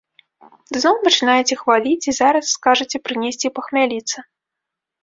Зноў пачынаеце хваліць і зараз скажаце прынесці пахмяліцца.